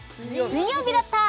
水曜日だった！